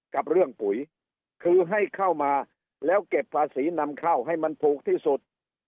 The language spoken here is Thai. กับเรื่องปุ๋ยคือให้เข้ามาแล้วเก็บภาษีนำเข้าให้มันถูกที่สุด